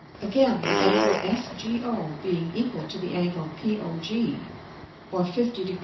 ] Again, the Angle SGO being equal to the Angle POG, or 50 Gr.